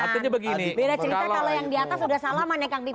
beda cerita kalau yang diatas sudah salaman ya kang vipin ya